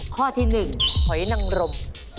ข้อที่หนึ่งหอยนังรม